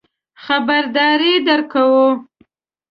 خبرداری درکوو.